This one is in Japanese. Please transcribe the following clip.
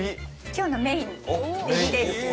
今日のメインえびです